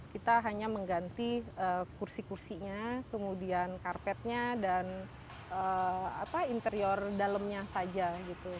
kita hanya mengganti kursi kursinya kemudian karpetnya dan interior dalamnya saja gitu